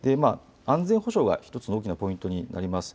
安全保障が１つの大きなポイントになります。